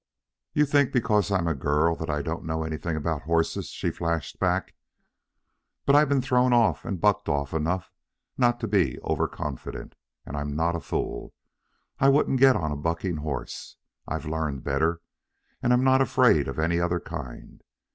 "You think, because I'm a girl, that I don't know anything about horses," she flashed back. "But I've been thrown off and bucked off enough not to be over confident. And I'm not a fool. I wouldn't get on a bucking horse. I've learned better. And I'm not afraid of any other kind.